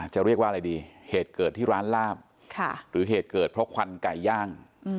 จะเรียกว่าอะไรดีเหตุเกิดที่ร้านลาบหรือเหตุเกิดเพราะควันไก่ย่าง